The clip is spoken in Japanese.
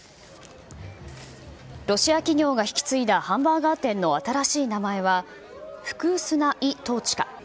ロシア企業が引き継いだハンバーガー店の新しい名前は、フクースナ・イ・トーチカ。